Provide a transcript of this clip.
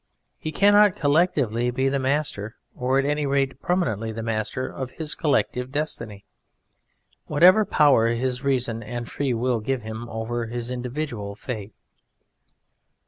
He cannot collectively be the master, or at any rate permanently the master of his collective destiny, whatever power his reason and free will give him over his individual fate.